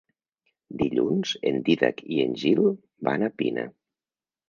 Dilluns en Dídac i en Gil van a Pina.